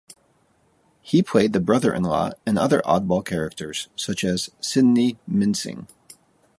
He played the brother-in-law and other oddball characters such as Sidney Mincing.